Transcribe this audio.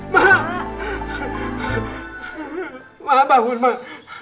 mbak bangun mbak